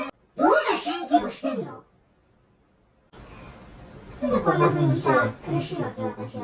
なんでこんなふうにさ、苦しいわけ、私は。